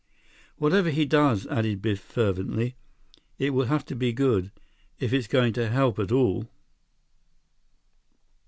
"Whatever he does," added Biff fervently, "it will have to be good, if it's going to help at all!"